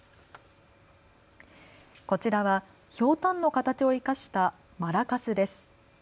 こちらはひょうたんの形を生かしたマラカスです。